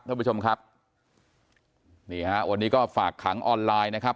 ท่านผู้ชมครับนี่ฮะวันนี้ก็ฝากขังออนไลน์นะครับ